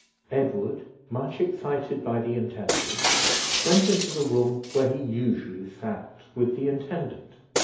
Edward, much excited by the intelligence, went into the room where he usually sat with the intendant.